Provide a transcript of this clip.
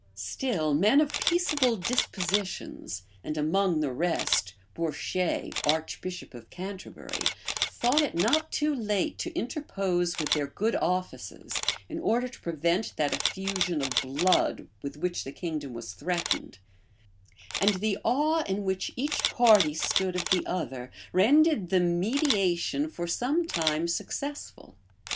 Still, men of peaceable dispositions, and among the rest Bourchier, archbishop of Canterbury, thought it not too late to interpose with their good offices, in order to prevent that effusion of blood, with which the kingdom was threatened; and the awe in which each party stood of the other, rendered the mediation for some time successful.